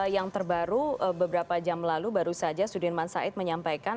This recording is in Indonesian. yang terbaru beberapa jam lalu baru saja sudirman said menyampaikan